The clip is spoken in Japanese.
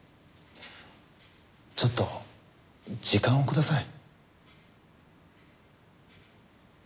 ちょっと時間をください。